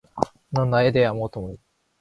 넌 나에 대해 아무것도 몰라.